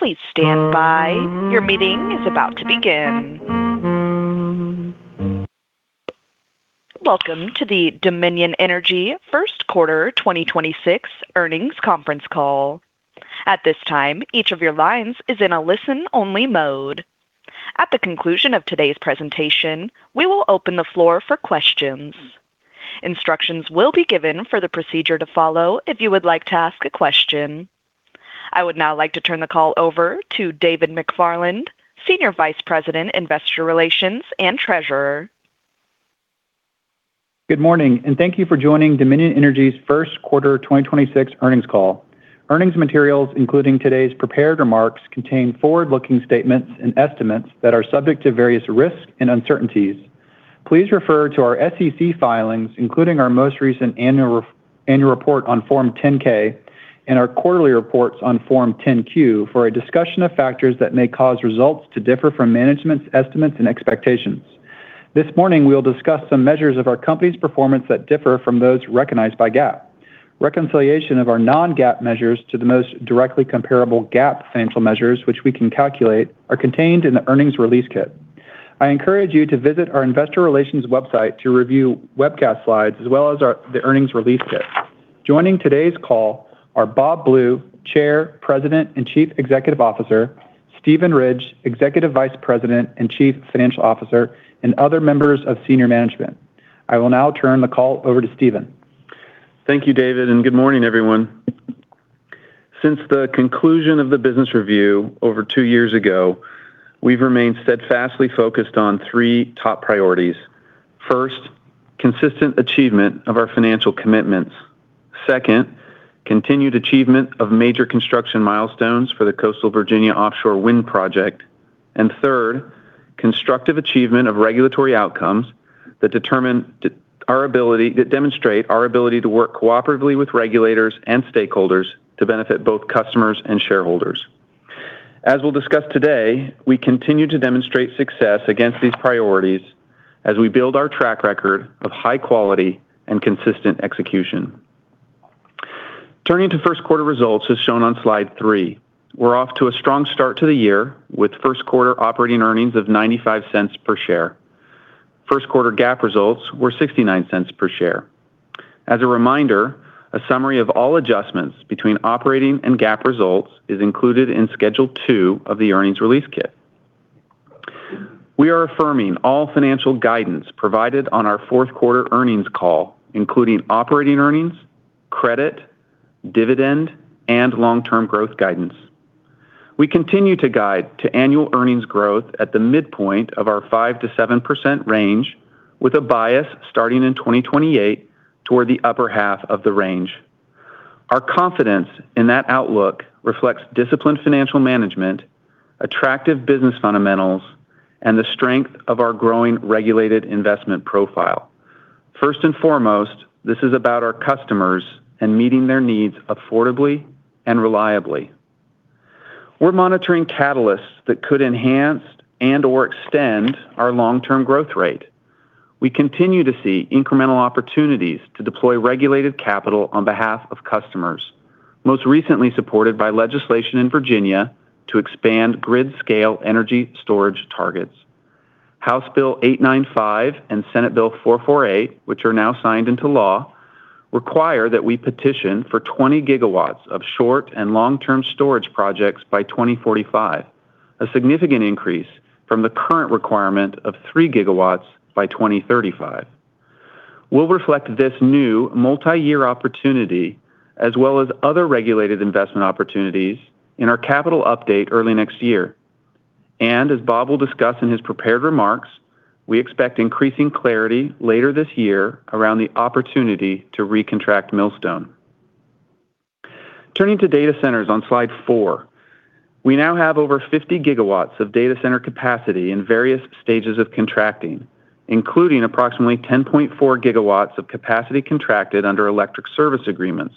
Welcome to the Dominion Energy First Quarter 2026 Earnings Conference Call. At this time, each of your lines is in a listen-only mode. At the conclusion of today's presentation, we will open the floor for questions. Instructions will be given for the procedure to follow if you would like to ask a question. I would now like to turn the call over to David McFarland, Senior Vice President, Investor Relations, and Treasurer. Good morning, thank you for joining Dominion Energy's first quarter 2026 earnings call. Earnings materials, including today's prepared remarks, contain forward-looking statements and estimates that are subject to various risks and uncertainties. Please refer to our SEC filings, including our most recent annual report on Form 10-K and our quarterly reports on Form 10-Q, for a discussion of factors that may cause results to differ from management's estimates and expectations. This morning, we'll discuss some measures of our company's performance that differ from those recognized by GAAP. Reconciliation of our non-GAAP measures to the most directly comparable GAAP financial measures, which we can calculate, are contained in the earnings release kit. I encourage you to visit our investor relations website to review webcast slides as well as the earnings release kit. Joining today's call are Bob Blue, Chair, President, and Chief Executive Officer, Steven Ridge, Executive Vice President and Chief Financial Officer, and other members of senior management. I will now turn the call over to Steven. Thank you, David, and good morning, everyone. Since the conclusion of the business review over two years ago, we've remained steadfastly focused on three top priorities. First, consistent achievement of our financial commitments. Second, continued achievement of major construction milestones for the Coastal Virginia Offshore Wind project. Third, constructive achievement of regulatory outcomes that demonstrate our ability to work cooperatively with regulators and stakeholders to benefit both customers and shareholders. As we'll discuss today, we continue to demonstrate success against these priorities as we build our track record of high quality and consistent execution. Turning to first quarter results, as shown on slide three. We're off to a strong start to the year with first quarter operating earnings of $0.95 per share. First quarter GAAP results were $0.69 per share. As a reminder, a summary of all adjustments between operating and GAAP results is included in Schedule 2 of the earnings release kit. We are affirming all financial guidance provided on our fourth quarter earnings call, including operating earnings, credit, dividend, and long-term growth guidance. We continue to guide to annual earnings growth at the midpoint of our 5%-7% range with a bias starting in 2028 toward the upper half of the range. Our confidence in that outlook reflects disciplined financial management, attractive business fundamentals, and the strength of our growing regulated investment profile. First and foremost, this is about our customers and meeting their needs affordably and reliably. We're monitoring catalysts that could enhance and/or extend our long-term growth rate. We continue to see incremental opportunities to deploy regulated capital on behalf of customers, most recently supported by legislation in Virginia to expand grid-scale energy storage targets. House Bill 895 and Senate Bill 448, which are now signed into law, require that we petition for 20 GW of short- and long-term storage projects by 2045, a significant increase from the current requirement of 3 GW by 2035. We'll reflect this new multiyear opportunity as well as other regulated investment opportunities in our capital update early next year. As Bob will discuss in his prepared remarks, we expect increasing clarity later this year around the opportunity to re-contract Millstone. Turning to data centers on slide four. We now have over 50 GW of data center capacity in various stages of contracting, including approximately 10.4 GW of capacity contracted under electric service agreements.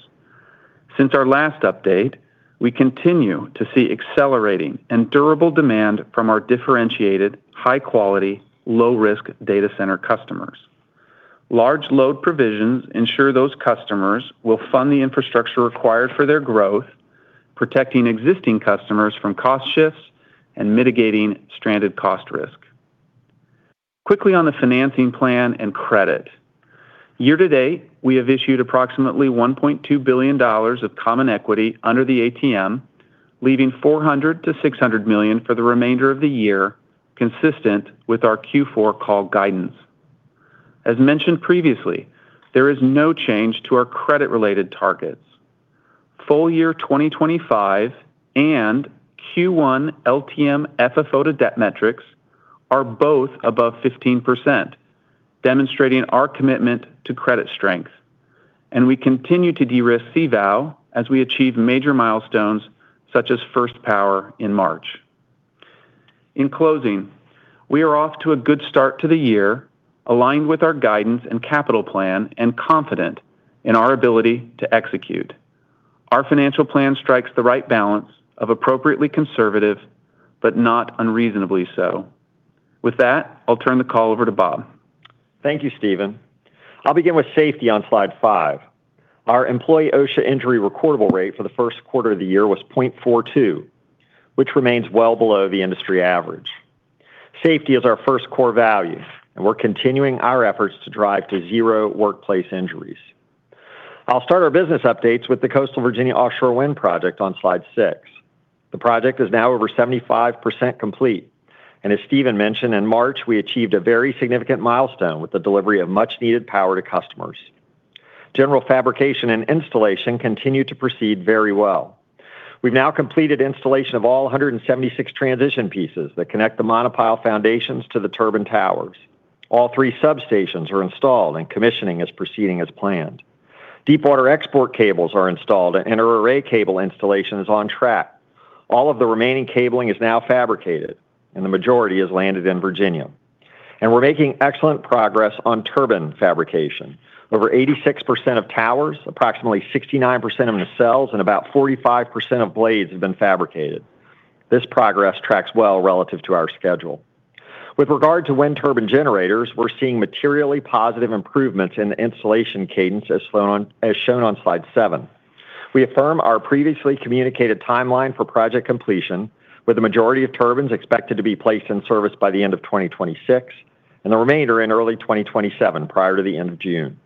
Since our last update, we continue to see accelerating and durable demand from our differentiated, high-quality, low-risk data center customers. Large load provisions ensure those customers will fund the infrastructure required for their growth, protecting existing customers from cost shifts and mitigating stranded cost risk. Quickly on the financing plan and credit. Year to date, we have issued approximately $1.2 billion of common equity under the ATM, leaving $400 million-$600 million for the remainder of the year, consistent with our Q4 call guidance. As mentioned previously, there is no change to our credit-related targets. Full year 2025 and Q1 LTM FFO to debt metrics are both above 15%, demonstrating our commitment to credit strength, and we continue to de-risk CVOW as we achieve major milestones, such as first power in March. In closing, we are off to a good start to the year, aligned with our guidance and capital plan, and confident in our ability to execute. Our financial plan strikes the right balance of appropriately conservative but not unreasonably so. With that, I'll turn the call over to Bob. Thank you, Steven. I'll begin with safety on slide five. Our employee OSHA injury recordable rate for the first quarter of the year was 0.42, which remains well below the industry average. Safety is our first core value, and we're continuing our efforts to drive to zero workplace injuries. I'll start our business updates with the Coastal Virginia Offshore Wind project on slide six. The project is now over 75% complete. As Steven mentioned, in March, we achieved a very significant milestone with the delivery of much-needed power to customers. General fabrication and installation continue to proceed very well. We've now completed installation of all 176 transition pieces that connect the monopile foundations to the turbine towers. All three substations are installed, and commissioning is proceeding as planned. Deep water export cables are installed, and inter-array cable installation is on track. All of the remaining cabling is now fabricated. The majority has landed in Virginia. We're making excellent progress on turbine fabrication. Over 86% of towers, approximately 69% of nacelles, and about 45% of blades have been fabricated. This progress tracks well relative to our schedule. With regard to wind turbine generators, we're seeing materially positive improvements in the installation cadence as shown on slide seven. We affirm our previously communicated timeline for project completion, with the majority of turbines expected to be placed in service by the end of 2026, and the remainder in early 2027 prior to the end of June.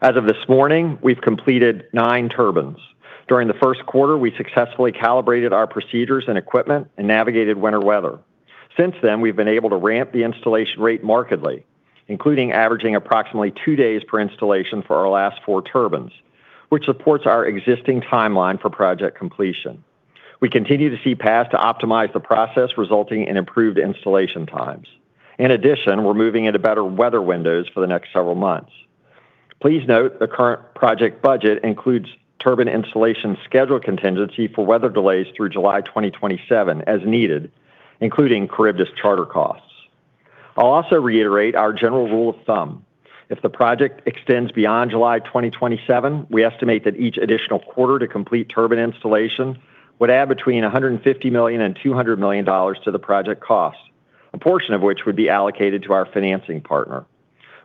As of this morning, we've completed nine turbines. During the first quarter, we successfully calibrated our procedures and equipment and navigated winter weather. Since then, we've been able to ramp the installation rate markedly, including averaging approximately two days per installation for our last four turbines, which supports our existing timeline for project completion. We continue to see paths to optimize the process, resulting in improved installation times. In addition, we're moving into better weather windows for the next several months. Please note the current project budget includes turbine installation schedule contingency for weather delays through July 2027 as needed, including Charybdis charter costs. I'll also reiterate our general rule of thumb. If the project extends beyond July 2027, we estimate that each additional quarter to complete turbine installation would add between $150 million and $200 million to the project cost, a portion of which would be allocated to our financing partner.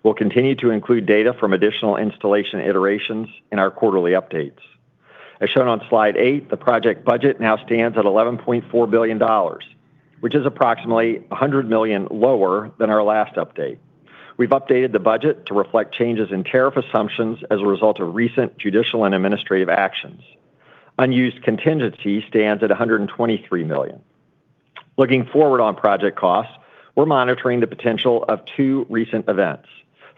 We'll continue to include data from additional installation iterations in our quarterly updates. As shown on slide eight, the project budget now stands at $11.4 billion, which is approximately $100 million lower than our last update. We've updated the budget to reflect changes in tariff assumptions as a result of recent judicial and administrative actions. Unused contingency stands at $123 million. Looking forward on project costs, we're monitoring the potential of two recent events.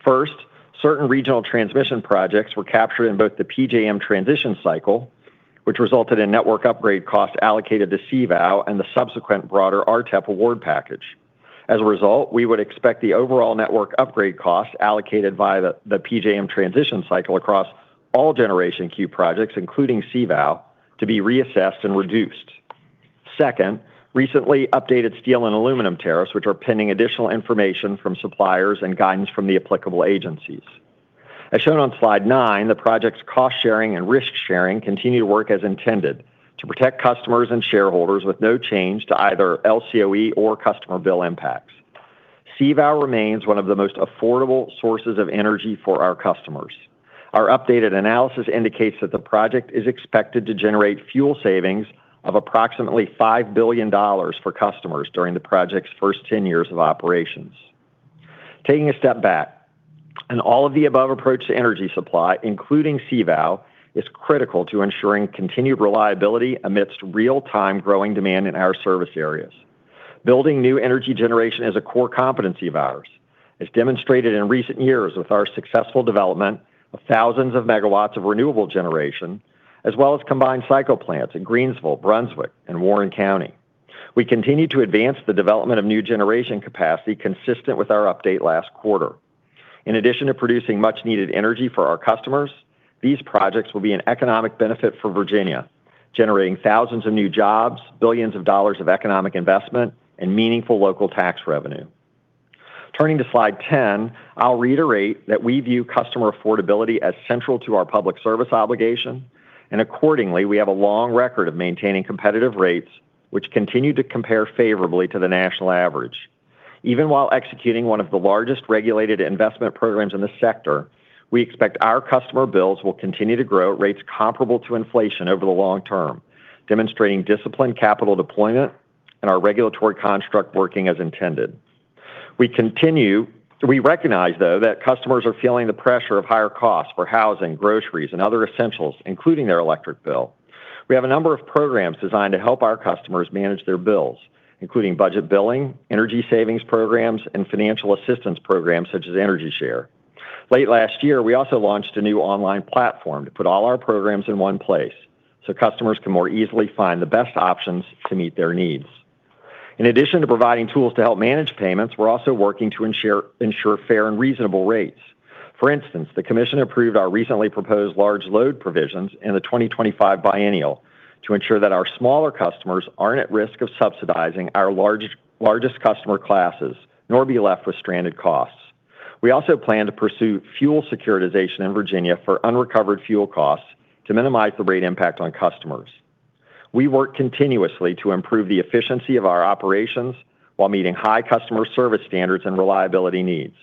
First, certain regional transmission projects were captured in both the PJM transition cycle, which resulted in network upgrade costs allocated to CVOW and the subsequent broader RTEP award package. As a result, we would expect the overall network upgrade cost allocated via the PJM transition cycle across all generation queue projects, including CVOW, to be reassessed and reduced. Second, recently updated steel and aluminum tariffs, which are pending additional information from suppliers and guidance from the applicable agencies. As shown on slide nine, the project's cost sharing and risk sharing continue to work as intended to protect customers and shareholders with no change to either LCOE or customer bill impacts. CVOW remains one of the most affordable sources of energy for our customers. Our updated analysis indicates that the project is expected to generate fuel savings of approximately $5 billion for customers during the project's first 10 years of operations. Taking a step back, all of the above approach to energy supply, including CVOW, is critical to ensuring continued reliability amidst real-time growing demand in our service areas. Building new energy generation is a core competency of ours. It's demonstrated in recent years with our successful development of thousands of megawatts of renewable generation, as well as combined cycle plants in Greensville, Brunswick, and Warren County. We continue to advance the development of new generation capacity consistent with our update last quarter. In addition to producing much needed energy for our customers, these projects will be an economic benefit for Virginia, generating thousands of new jobs, billions of dollars of economic investment, and meaningful local tax revenue. Turning to slide 10, I'll reiterate that we view customer affordability as central to our public service obligation, and accordingly, we have a long record of maintaining competitive rates which continue to compare favorably to the national average. Even while executing one of the largest regulated investment programs in the sector, we expect our customer bills will continue to grow at rates comparable to inflation over the long term, demonstrating disciplined capital deployment and our regulatory construct working as intended. We recognize, though, that customers are feeling the pressure of higher costs for housing, groceries, and other essentials, including their electric bill. We have a number of programs designed to help our customers manage their bills, including budget billing, energy savings programs, and financial assistance programs such as EnergyShare. Late last year, we also launched a new online platform to put all our programs in one place so customers can more easily find the best options to meet their needs. In addition to providing tools to help manage payments, we're also working to ensure fair and reasonable rates. For instance, the commission approved our recently proposed large load provisions in the 2025 biennial to ensure that our smaller customers aren't at risk of subsidizing our largest customer classes nor be left with stranded costs. We also plan to pursue fuel securitization in Virginia for unrecovered fuel costs to minimize the rate impact on customers. We work continuously to improve the efficiency of our operations while meeting high customer service standards and reliability needs.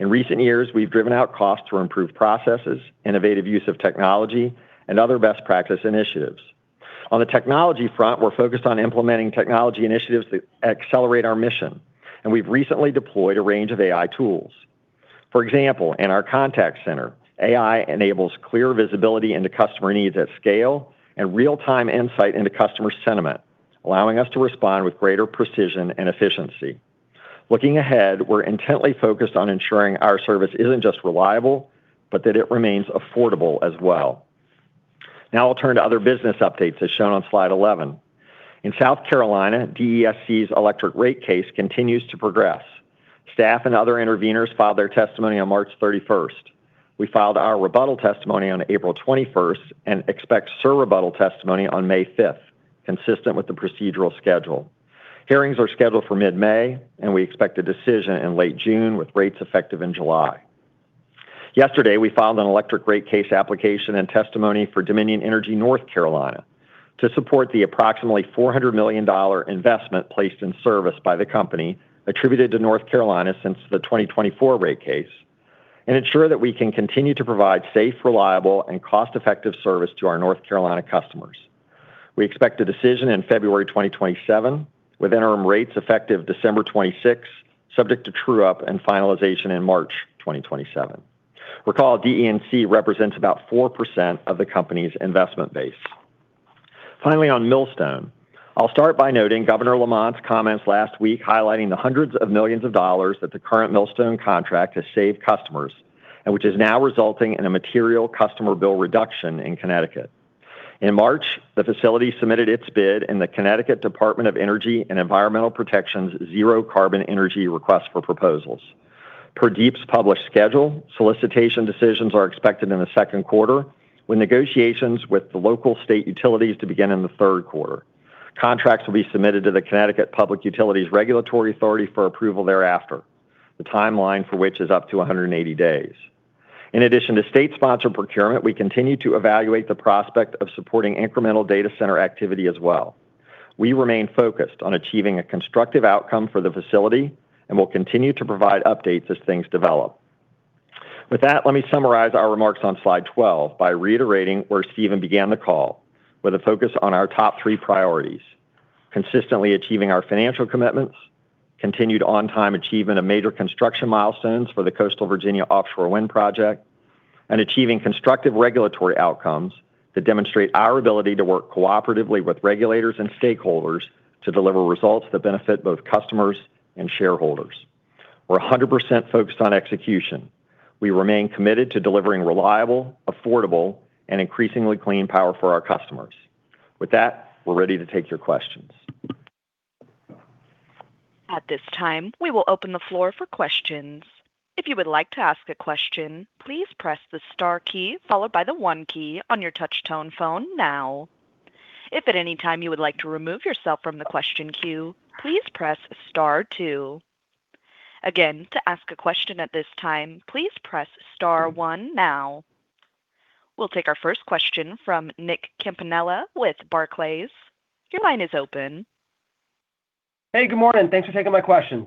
In recent years, we've driven out costs through improved processes, innovative use of technology, and other best practice initiatives. On the technology front, we're focused on implementing technology initiatives that accelerate our mission, and we've recently deployed a range of AI tools. For example, in our contact center, AI enables clear visibility into customer needs at scale and real-time insight into customer sentiment, allowing us to respond with greater precision and efficiency. Looking ahead, we're intently focused on ensuring our service isn't just reliable, but that it remains affordable as well. Now I'll turn to other business updates, as shown on slide 11. In South Carolina, DESC's electric rate case continues to progress. Staff and other interveners filed their testimony on March 31st. We filed our rebuttal testimony on April 21st and expect our rebuttal testimony on May 5th, consistent with the procedural schedule. Hearings are scheduled for mid-May, and we expect a decision in late June, with rates effective in July. Yesterday, we filed an electric rate case application and testimony for Dominion Energy North Carolina to support the approximately $400 million investment placed in service by the company attributed to North Carolina since the 2024 rate case and ensure that we can continue to provide safe, reliable, and cost-effective service to our North Carolina customers. We expect a decision in February 2027, with interim rates effective December 26, subject to true-up and finalization in March 2027. Recall DENC represents about 4% of the company's investment base. Finally, on Millstone. I'll start by noting Governor Lamont's comments last week highlighting the hundreds of millions of dollars that the current Millstone contract has saved customers and which is now resulting in a material customer bill reduction in Connecticut. In March, the facility submitted its bid in the Connecticut Department of Energy and Environmental Protection's zero carbon energy request for proposals. Per DEEP's published schedule, solicitation decisions are expected in the second quarter, with negotiations with the local state utilities to begin in the third quarter. Contracts will be submitted to the Connecticut Public Utilities Regulatory Authority for approval thereafter, the timeline for which is up to 180 days. In addition to state-sponsored procurement, we continue to evaluate the prospect of supporting incremental data center activity as well. We remain focused on achieving a constructive outcome for the facility and will continue to provide updates as things develop. With that, let me summarize our remarks on slide 12 by reiterating where Steven began the call, with a focus on our top three priorities: consistently achieving our financial commitments, continued on-time achievement of major construction milestones for the Coastal Virginia Offshore Wind project, and achieving constructive regulatory outcomes that demonstrate our ability to work cooperatively with regulators and stakeholders to deliver results that benefit both customers and shareholders. We're 100% focused on execution. We remain committed to delivering reliable, affordable, and increasingly clean power for our customers. With that, we're ready to take your questions. At this time, we will open the floor for questions. If you would like to ask a question please press the star key follow by the one key of you touchtone phone now If at any time you would like to remove yourself from the question queue, please press star two. Again, to ask a question at this time, please press star one now. We'll take our first question from Nick Campanella with Barclays. Your line is open. Hey, good morning. Thanks for taking my questions.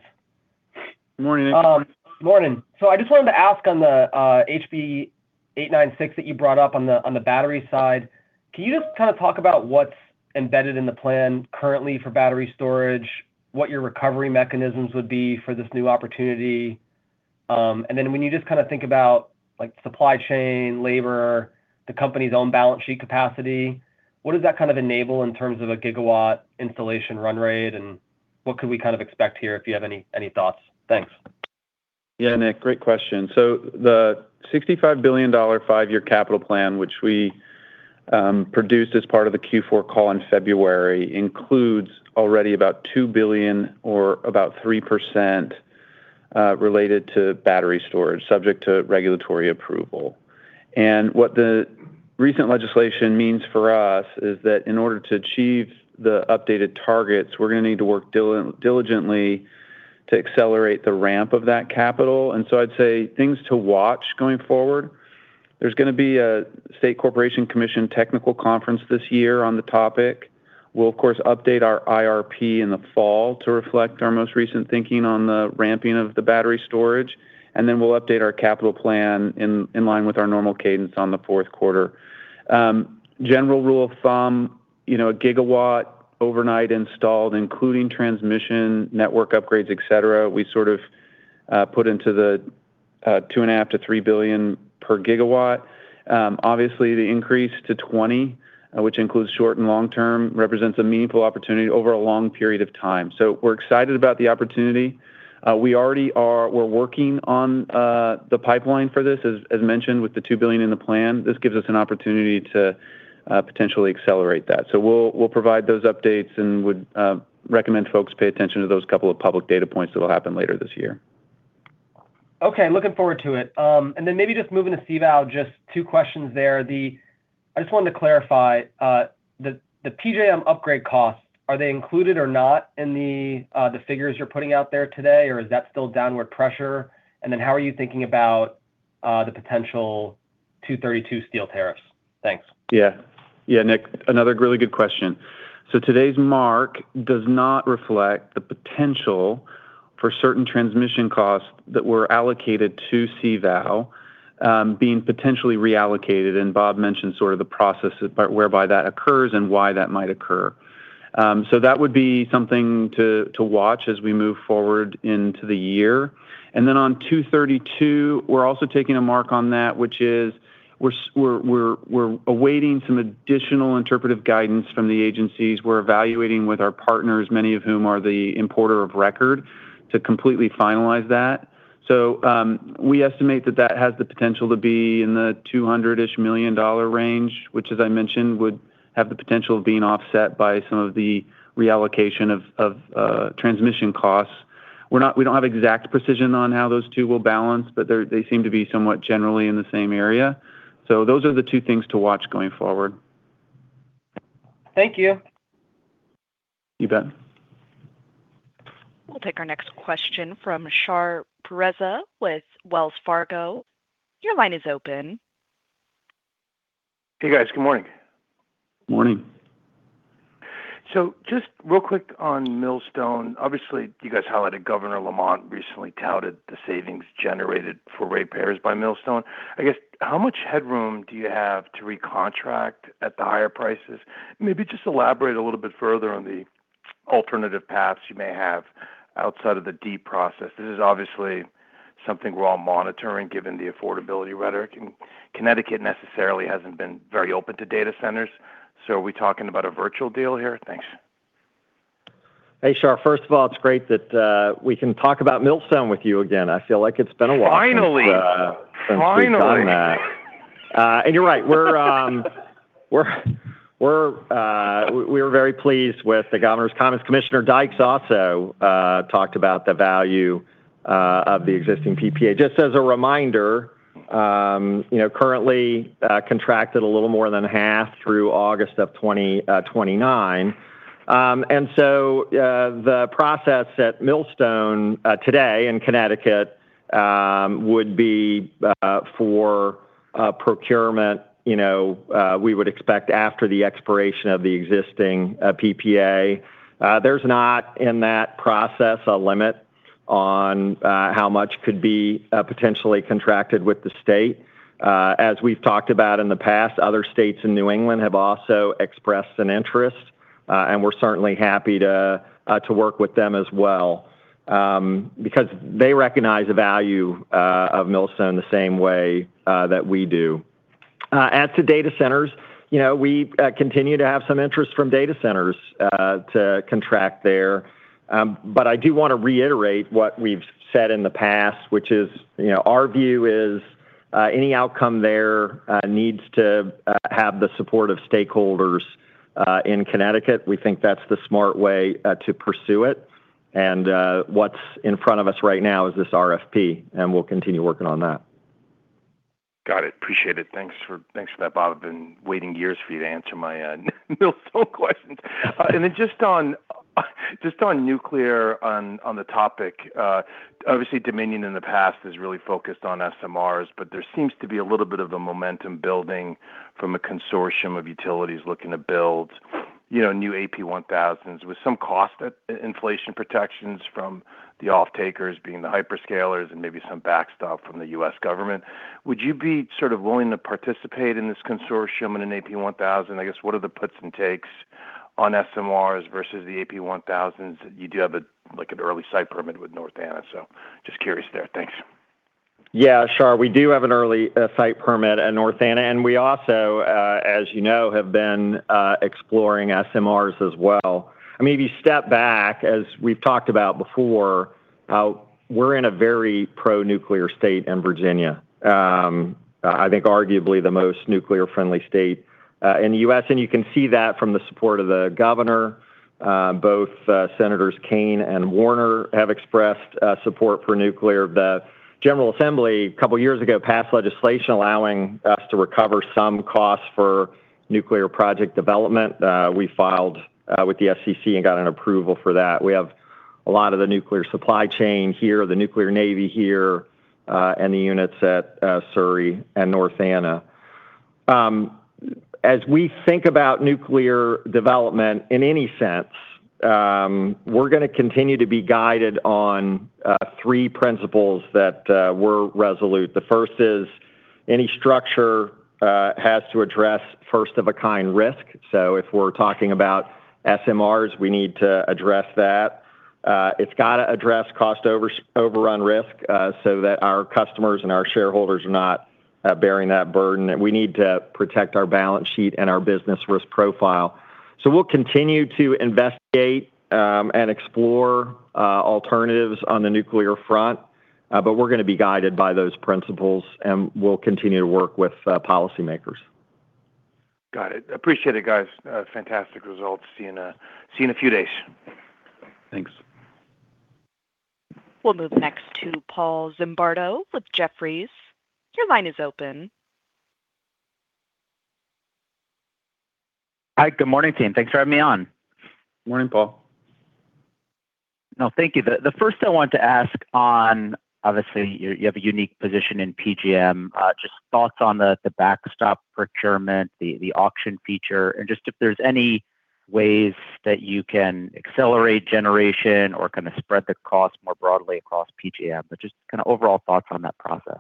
Morning, Nick. Morning. I just wanted to ask on the HB 895 that you brought up on the battery side, can you just talk about what's embedded in the plan currently for battery storage, what your recovery mechanisms would be for this new opportunity? When you just think about supply chain, labor, the company's own balance sheet capacity, what does that enable in terms of a gigawatt installation run rate? And what could we expect here, if you have any thoughts? Thanks. Yeah, Nick, great question. The $65 billion five-year capital plan, which we produced as part of the Q4 call in February, includes already about $2 billion or about 3% related to battery storage, subject to regulatory approval. What the recent legislation means for us is that in order to achieve the updated targets, we're going to need to work diligently to accelerate the ramp of that capital. I'd say things to watch going forward, there's going to be a State Corporation Commission technical conference this year on the topic. We'll of course update our IRP in the fall to reflect our most recent thinking on the ramping of the battery storage. We'll update our capital plan in line with our normal cadence on the fourth quarter. General rule of thumb, you know, a gigawatt overnight installed, including transmission, network upgrades, et cetera, we sort of put into the $2.5 billion-$3 billion per gigawatt. Obviously the increase to 20, which includes short and long term, represents a meaningful opportunity over a long period of time. We're excited about the opportunity. We're working on the pipeline for this, as mentioned, with the $2 billion in the plan. This gives us an opportunity to potentially accelerate that. We'll, we'll provide those updates and would recommend folks pay attention to those couple of public data points that'll happen later this year. Okay, looking forward to it. Maybe just moving to CVOW, just two questions there. I just wanted to clarify, the PJM upgrade costs, are they included or not in the figures you're putting out there today, or is that still downward pressure? How are you thinking about the potential Section 232 steel tariffs. Thanks. Yeah. Yeah, Nick, another really good question. Today's mark does not reflect the potential for certain transmission costs that were allocated to CVOW being potentially reallocated, and Bob mentioned sort of the processes whereby that occurs and why that might occur. That would be something to watch as we move forward into the year. On Section 232, we're also taking a mark on that, which is we're awaiting some additional interpretive guidance from the agencies. We're evaluating with our partners, many of whom are the importer of record, to completely finalize that. We estimate that that has the potential to be in the $200-ish million range, which as I mentioned, would have the potential of being offset by some of the reallocation of transmission costs. We don't have exact precision on how those two will balance, but they're, they seem to be somewhat generally in the same area. Those are the two things to watch going forward. Thank you. You bet. We'll take our next question from Shar Pourreza with Wells Fargo. Your line is open. Hey, guys. Good morning. Morning. Just real quick on Millstone. Obviously, you guys highlighted Governor Lamont recently touted the savings generated for ratepayers by Millstone. I guess, how much headroom do you have to recontract at the higher prices? Maybe just elaborate a little bit further on the alternative paths you may have outside of the DEEP process. This is obviously something we're all monitoring given the affordability rhetoric, Connecticut necessarily hasn't been very open to data centers. Are we talking about a virtual deal here? Thanks. Hey, Shar. First of all, it's great that we can talk about Millstone with you again. I feel like it's been a while. Finally. Since we've talked last. You're right. We're very pleased with the governor's comments. Katie Dykes also talked about the value of the existing PPA. Just as a reminder, you know, currently contracted a little more than half through August of 2029. The process at Millstone today in Connecticut would be for a procurement, you know, we would expect after the expiration of the existing PPA. There's not in that process a limit on how much could be potentially contracted with the state. As we've talked about in the past, other states in New England have also expressed an interest, and we're certainly happy to work with them as well, because they recognize the value of Millstone the same way that we do. As to data centers, you know, we continue to have some interest from data centers to contract there. I do wanna reiterate what we've said in the past, which is, you know, our view is any outcome there needs to have the support of stakeholders in Connecticut. We think that's the smart way to pursue it. What's in front of us right now is this RFP, and we'll continue working on that. Got it. Appreciate it. Thanks for that, Bob. I've been waiting years for you to answer my Millstone questions. Just on nuclear on the topic, obviously Dominion in the past has really focused on SMRs, but there seems to be a little bit of a momentum building from a consortium of utilities looking to build, you know, new AP1000s with some cost at inflation protections from the off-takers being the hyperscalers and maybe some backstop from the U.S. government. Would you be sort of willing to participate in this consortium in an AP1000? I guess, what are the puts and takes on SMRs versus the AP1000s? You do have a, like, an early site permit with North Anna, so just curious there. Thanks. Sure. We do have an early site permit at North Anna, and we also, as you know, have been exploring SMRs as well. I mean, if you step back, as we've talked about before, we're in a very pro-nuclear state in Virginia. I think arguably the most nuclear-friendly state in the U.S., and you can see that from the support of the Governor. Both Senators Kaine and Warner have expressed support for nuclear. The General Assembly a couple years ago passed legislation allowing us to recover some costs for nuclear project development. We filed with the SEC and got an approval for that. We have a lot of the nuclear supply chain here, the nuclear Navy here, and the units at Surry and North Anna. As we think about nuclear development in any sense, we're gonna continue to be guided on three principles that were resolute. The first is any structure has to address first of a kind risk. If we're talking about SMRs, we need to address that. It's gotta address cost overrun risk, so that our customers and our shareholders are not bearing that burden. We need to protect our balance sheet and our business risk profile. We'll continue to investigate, and explore alternatives on the nuclear front, but we're gonna be guided by those principles, and we'll continue to work with policy makers. Got it. Appreciate it, guys. Fantastic results. See you in a few days. Thanks. We'll move next to Paul Zimbardo with Jefferies. Your line is open. Hi, good morning, team. Thanks for having me on. Morning, Paul. No, thank you. The first I wanted to ask on, obviously you have a unique position in PJM, just thoughts on the backstop procurement, the auction feature, and just if there's any ways that you can accelerate generation or kinda spread the cost more broadly across PJM, but just kinda overall thoughts on that process.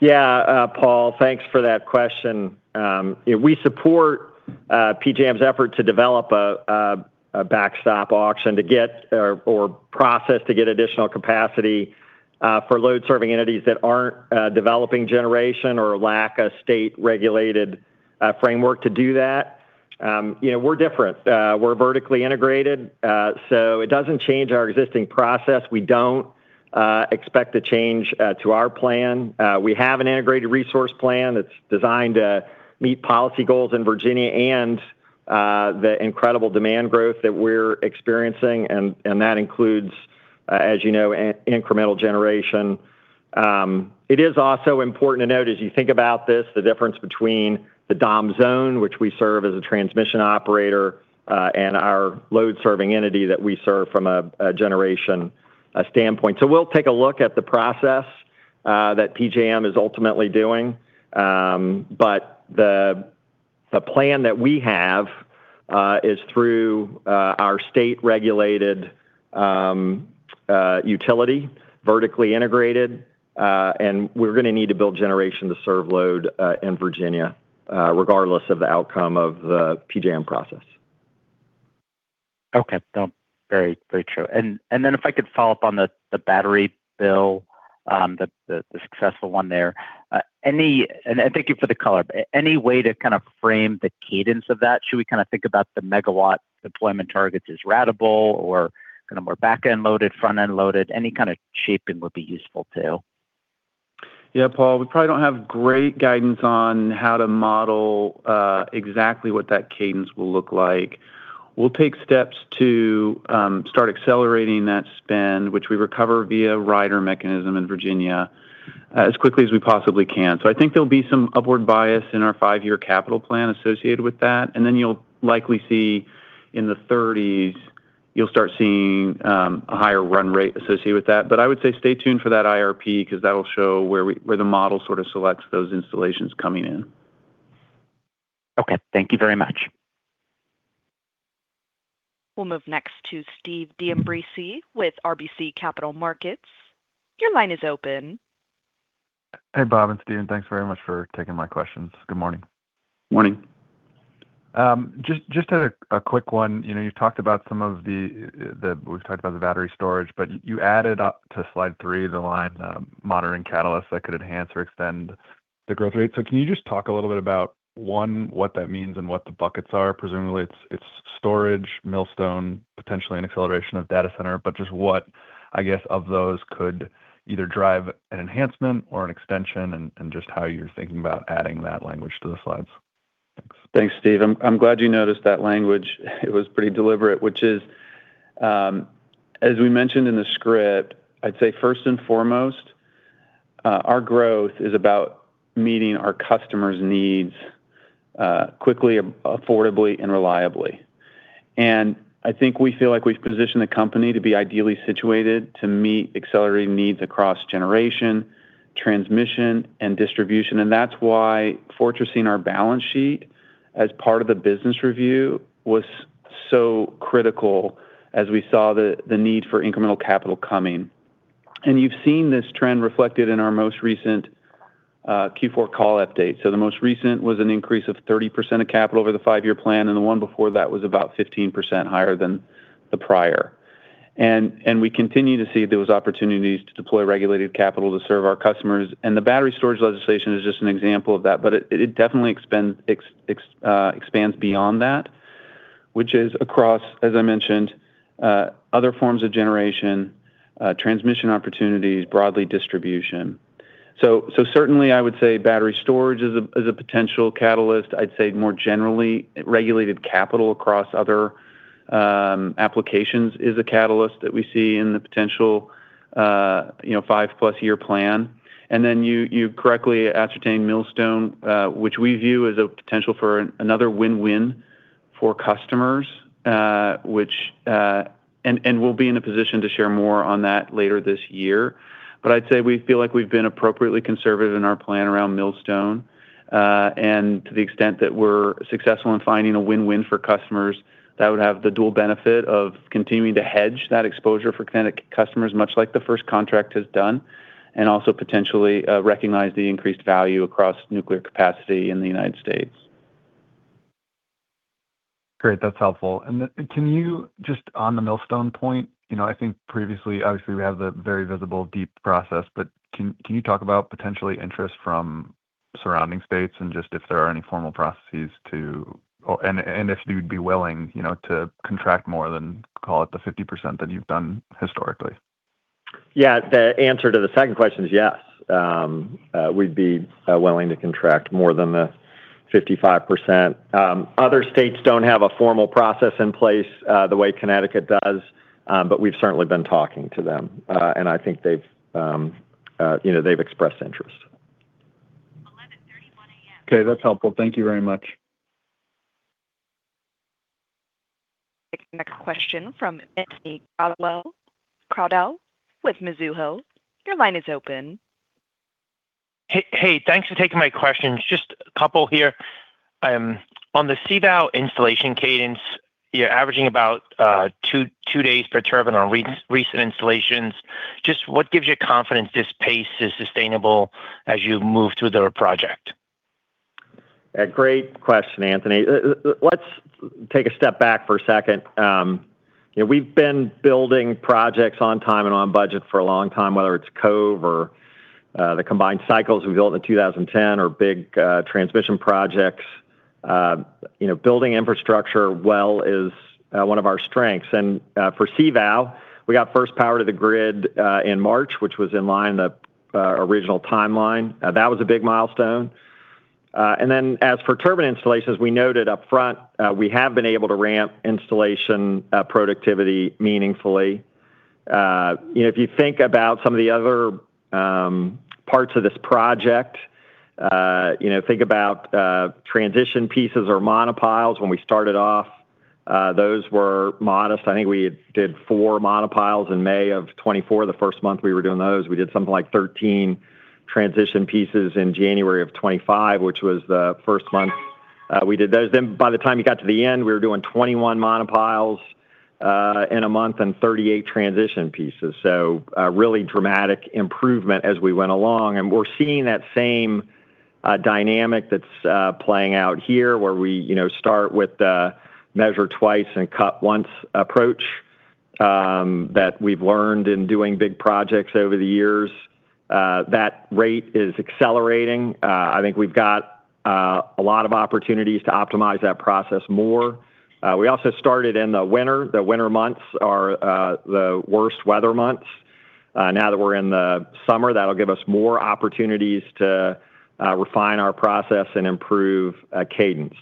Paul, thanks for that question. You know, we support PJM's effort to develop a backstop auction or process to get additional capacity for load serving entities that aren't developing generation or lack a state-regulated framework to do that. You know, we're different. We're vertically integrated. It doesn't change our existing process. We don't expect a change to our plan. We have an integrated resource plan that's designed to meet policy goals in Virginia and the incredible demand growth that we're experiencing and that includes, as you know, incremental generation. It is also important to note as you think about this, the difference between the DOM Zone, which we serve as a transmission operator, and our load serving entity that we serve from a generation standpoint. We'll take a look at the process that PJM is ultimately doing. The plan that we have is through our state regulated utility vertically integrated. We're gonna need to build generation to serve load in Virginia regardless of the outcome of the PJM process. Okay. No, very, very true. Then if I could follow up on the battery bill, the successful one there. Thank you for the color. Any way to kind of frame the cadence of that? Should we kind of think about the megawatt deployment targets as ratable or kind of more backend loaded, front-end loaded? Any kind of shaping would be useful too. Yeah, Paul, we probably don't have great guidance on how to model exactly what that cadence will look like. We'll take steps to start accelerating that spend, which we recover via rider mechanism in Virginia, as quickly as we possibly can. I think there'll be some upward bias in our five-year capital plan associated with that, and then you'll likely see in the 30s you'll start seeing a higher run rate associated with that. I would say stay tuned for that IRP 'cause that'll show where the model sort of selects those installations coming in. Okay. Thank you very much. We'll move next to Steve D'Ambrisi with RBC Capital Markets. Your line is open. Hey, Bob and Steven. Thanks very much for taking my questions. Good morning. Morning. We've talked about the battery storage, but you added up to slide three, the line, monitoring catalyst that could enhance or extend the growth rate. Can you just talk a little bit about, 1, what that means and what the buckets are? Presumably it's storage, Millstone, potentially an acceleration of data center, but just what, I guess, of those could either drive an enhancement or an extension and just how you're thinking about adding that language to the slides. Thanks. Thanks, Steve. I'm glad you noticed that language. It was pretty deliberate, which is, as we mentioned in the script, I'd say first and foremost, our growth is about meeting our customers' needs, quickly, affordably and reliably. I think we feel like we've positioned the company to be ideally situated to meet accelerating needs across generation, transmission, and distribution. That's why fortressing our balance sheet as part of the business review was so critical as we saw the need for incremental capital coming. You've seen this trend reflected in our most recent Q4 call update. The most recent was an increase of 30% of capital over the five-year plan, the one before that was about 15% higher than the prior. We continue to see those opportunities to deploy regulated capital to serve our customers. The battery storage legislation is just an example of that, but it definitely expands beyond that, which is across, as I mentioned, other forms of generation, transmission opportunities, broadly distribution. Certainly I would say battery storage is a potential catalyst. I'd say more generally regulated capital across other applications is a catalyst that we see in the potential, you know, 5+year plan. You correctly ascertained Millstone, which we view as a potential for another win-win for customers. We'll be in a position to share more on that later this year. I'd say we feel like we've been appropriately conservative in our plan around Millstone. To the extent that we're successful in finding a win-win for customers that would have the dual benefit of continuing to hedge that exposure for Connecticut customers, much like the first contract has done, and also potentially recognize the increased value across nuclear capacity in the United States. Great. That's helpful. Then can you just on the Millstone point, you know, I think previously obviously we have the very visible DEEP process, but can you talk about potentially interest from surrounding states and just if there are any formal processes, or if you'd be willing, you know, to contract more than call it the 50% that you've done historically? Yeah. The answer to the second question is yes, we'd be willing to contract more than the 55%. Other states don't have a formal process in place, the way Connecticut does. We've certainly been talking to them. I think they've. You know, they've expressed interest. Okay, that's helpful. Thank you very much. Taking the question from Anthony Crowdell with Mizuho. Your line is open. Hey, thanks for taking my questions. Just a couple here. On the CVOW installation cadence, you're averaging about two days per turbine on recent installations. Just what gives you confidence this pace is sustainable as you move through the project? A great question, Anthony. Let's take a step back for a second. You know, we've been building projects on time and on budget for a long time, whether it's CVOW or the combined cycles we built in 2010 or big transmission projects. You know, building infrastructure well is one of our strengths. For CVOW, we got 1st power to the grid in March, which was in line the original timeline. That was a big milestone. As for turbine installations, we noted upfront, we have been able to ramp installation productivity meaningfully. You know, if you think about some of the other parts of this project, you know, think about transition pieces or monopiles. When we started off, those were modest. I think we did four monopiles in May of 2024, the first month we were doing those. We did something like 13 transition pieces in January of 2025, which was the first month we did those. By the time you got to the end, we were doing 21 monopiles in a month and 38 transition pieces. A really dramatic improvement as we went along. We're seeing that same dynamic that's playing out here where we, you know, start with the measure twice and cut once approach that we've learned in doing big projects over the years. That rate is accelerating. I think we've got a lot of opportunities to optimize that process more. We also started in the winter. The winter months are the worst weather months. Now that we're in the summer, that'll give us more opportunities to refine our process and improve cadence.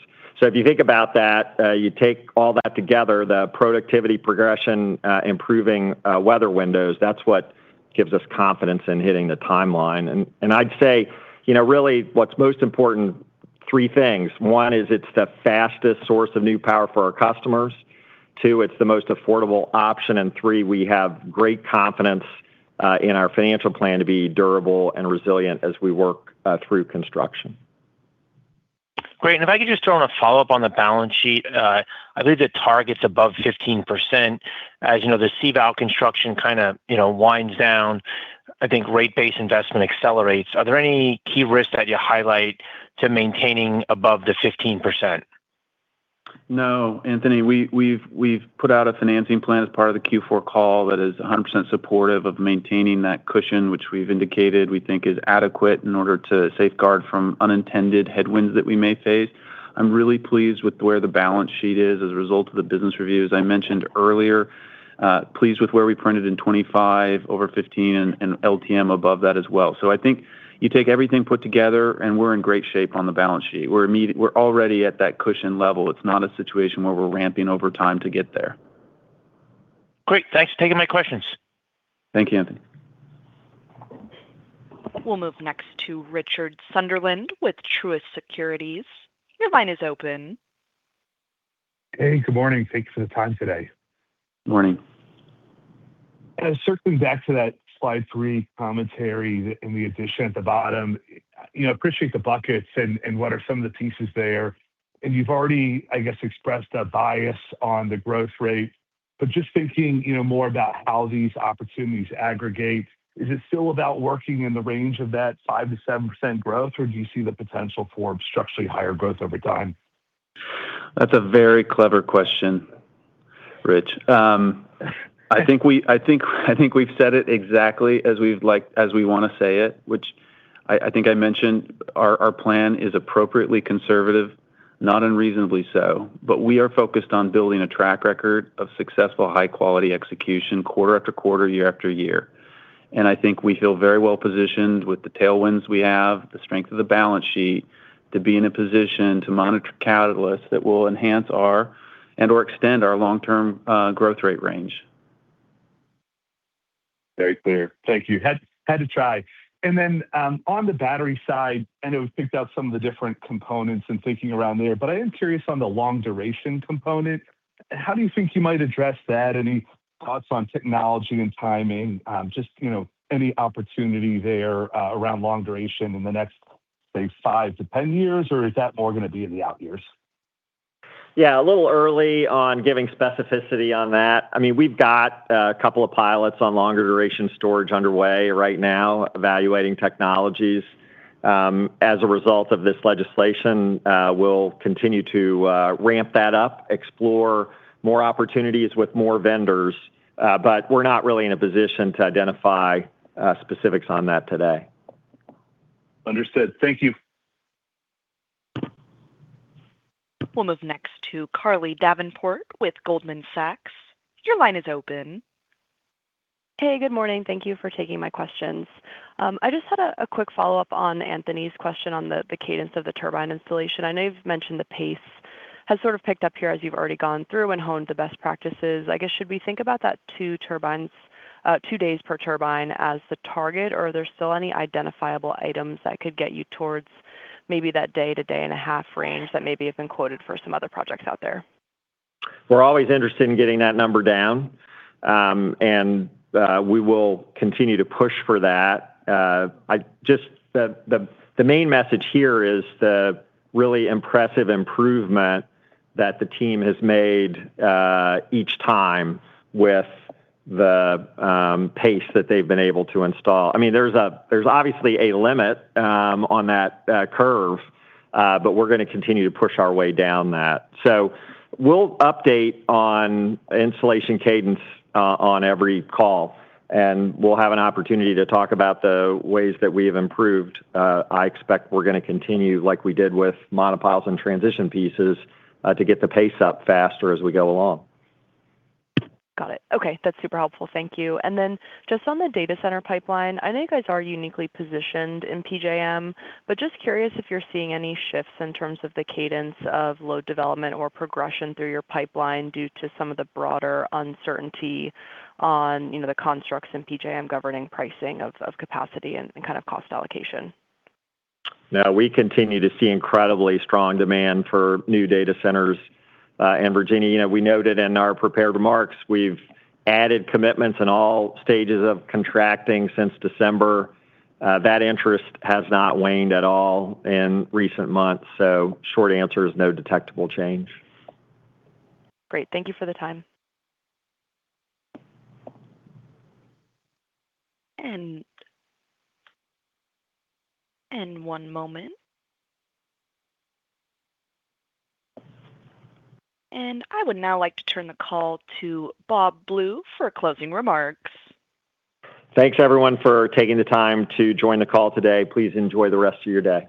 If you think about that, you take all that together, the productivity progression, improving weather windows, that's what gives us confidence in hitting the timeline. I'd say, you know, really what's most important, three things. One, is it's the fastest source of new power for our customers. Two, it's the most affordable option. Three, we have great confidence in our financial plan to be durable and resilient as we work through construction. Great. If I could just throw in a follow-up on the balance sheet. I believe the target's above 15%. As you know, the CVOW construction kinda, you know, winds down. I think rate base investment accelerates. Are there any key risks that you highlight to maintaining above the 15%? No, Anthony. We've put out a financing plan as part of the Q4 call that is 100% supportive of maintaining that cushion, which we've indicated we think is adequate in order to safeguard from unintended headwinds that we may face. I'm really pleased with where the balance sheet is as a result of the business review. As I mentioned earlier, pleased with where we printed in 25, over 15 and LTM above that as well. I think you take everything put together, and we're in great shape on the balance sheet. We're already at that cushion level. It's not a situation where we're ramping over time to get there. Great. Thanks for taking my questions. Thank you, Anthony. We'll move next to Richard Sunderland with Truist Securities. Your line is open. Hey, good morning. Thank you for the time today. Morning. Circling back to that slide three commentary and the addition at the bottom. You know, appreciate the buckets and what are some of the pieces there. You've already, I guess, expressed a bias on the growth rate. Just thinking, you know, more about how these opportunities aggregate, is it still about working in the range of that 5%-7% growth, or do you see the potential for structurally higher growth over time? That's a very clever question, Rich. I think we've said it exactly as we wanna say it, which I think I mentioned our plan is appropriately conservative, not unreasonably so. We are focused on building a track record of successful high-quality execution quarter after quarter, year after year. I think we feel very well positioned with the tailwinds we have, the strength of the balance sheet to be in a position to monitor catalysts that will enhance our and/or extend our long-term growth rate range. Very clear. Thank you. Had to try. On the battery side, I know we've picked out some of the different components and thinking around there, but I am curious on the long duration component. How do you think you might address that? Any thoughts on technology and timing? Just, you know, any opportunity there, around long duration in the next, say, five to 10 years, or is that more gonna be in the out years? Yeah, a little early on giving specificity on that. I mean, we've got a couple of pilots on longer duration storage underway right now, evaluating technologies. As a result of this legislation, we'll continue to ramp that up, explore more opportunities with more vendors. We're not really in a position to identify specifics on that today. Understood. Thank you. We'll move next to Carly Davenport with Goldman Sachs. Your line is open. Hey, good morning. Thank you for taking my questions. I just had a quick follow-up on Anthony's question on the cadence of the turbine installation. I know you've mentioned the pace has sort of picked up here as you've already gone through and honed the best practices. I guess, should we think about that two turbines, two days per turbine as the target, or are there still any identifiable items that could get you towards maybe that day to day and a half range that maybe have been quoted for some other projects out there? We're always interested in getting that number down, and we will continue to push for that. The main message here is the really impressive improvement that the team has made each time with the pace that they've been able to install. I mean, there's obviously a limit on that curve, but we're gonna continue to push our way down that. We'll update on installation cadence on every call, and we'll have an opportunity to talk about the ways that we have improved. I expect we're gonna continue like we did with monopiles and transition pieces to get the pace up faster as we go along. Got it. Okay. That's super helpful. Thank you. Just on the data center pipeline, I know you guys are uniquely positioned in PJM, but just curious if you're seeing any shifts in terms of the cadence of load development or progression through your pipeline due to some of the broader uncertainty on, you know, the constructs in PJM governing pricing of capacity and kind of cost allocation. No, we continue to see incredibly strong demand for new data centers, in Virginia. You know, we noted in our prepared remarks we've added commitments in all stages of contracting since December. That interest has not waned at all in recent months. Short answer is no detectable change. Great. Thank you for the time. One moment. I would now like to turn the call to Bob Blue for closing remarks. Thanks, everyone, for taking the time to join the call today. Please enjoy the rest of your day.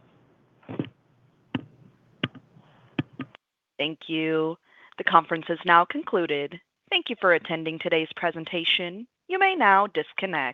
Thank you. The conference is now concluded. Thank you for attending today's presentation. You may now disconnect.